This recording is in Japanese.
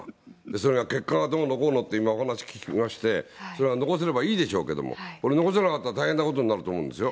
それが結果がどうのこうのって、今お話聞きまして、それは残せればいいですけど、これ、残せなかったら大変なことになると思うんですよ。